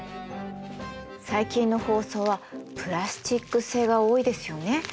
最近の包装はプラスチック製が多いですよね。